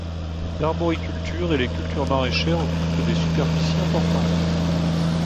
L'arboriculture et les cultures maraîchères occupent des superficies importantes.